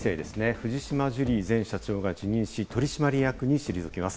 藤島ジュリー前社長が辞任し、取締役に退きます。